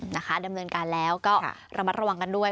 นะคะดำเนินการแล้วก็ระมัดระวังกันด้วย